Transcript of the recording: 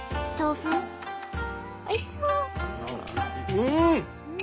うん！